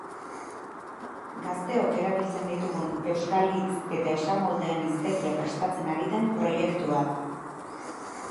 Gazteok erabiltzen ditugun euskal hitz eta esamoldeen hiztegia prestatzen ari den proiektua da.